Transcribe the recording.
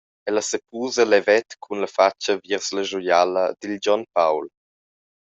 Ella sepusa levet cun la fatscha viers la schuiala dil Gion Paul.